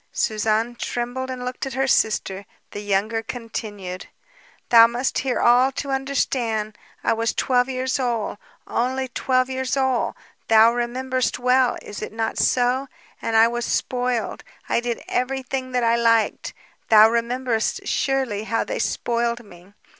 Suzanne trembled and looked at her sister. The younger continued: "Thou must hear all, to understand. I was twelve years old, only twelve years old; thou rememberest well, is it not so? And I was spoiled, I did everything that I liked! Thou rememberest, surely, how they spoiled me?